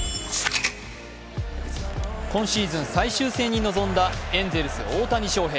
今シーズン最終戦に臨んだエンゼルス・大谷翔平。